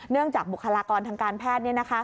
เนื่องจากบุคลากรทางการแพทย์